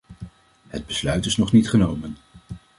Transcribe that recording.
Het besluit is nog niet genomen.